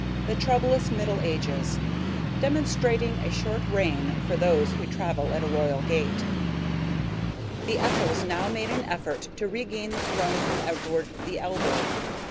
THE TROUBLOUS MIDDLE AGES: DEMONSTRATING A SHORT REIGN FOR THOSE WHO TRAVEL AT A ROYAL GAIT. The Ethels now made an effort to regain the throne from Edward the Elder.